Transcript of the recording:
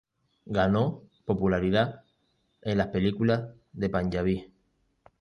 Ganó popularidad en las películas de panyabí.